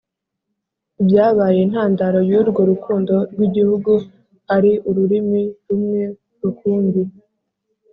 Ibyabaye intandaro y'urwo rukundo rw'igihugu, ari ururimi rumwe rukumbi.